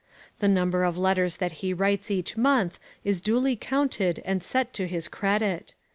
The number of letters that he writes each month is duly counted and set to his credit.